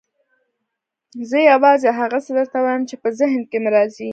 زه یوازې هغه څه درته وایم چې په ذهن کې مې راځي.